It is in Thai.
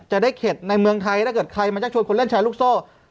ได้เข็ดในเมืองไทยถ้าเกิดใครมาชักชวนคนเล่นแชร์ลูกโซ่